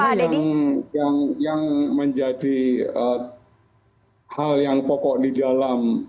karena yang menjadi hal yang pokok di dalam